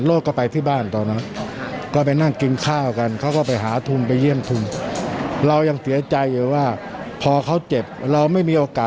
ซุดท้ายตอนไหนค่ะเจอร่วมสุดท้ายตอนนิเมริกา